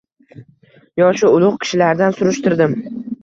yoshi ulug’ kishilardan surishtirdim.